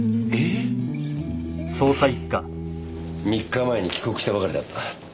３日前に帰国したばかりだった。